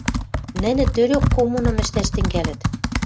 Нӹнӹ тӧрӧк коммуным ӹштӓш тӹнгӓлӹт.